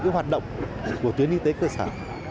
hoạt động của tuyến y tế cơ sản